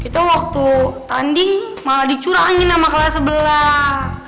itu waktu tanding malah dicurangin sama kelas sebelah